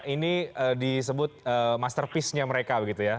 ini disebut masterpiece nya mereka begitu ya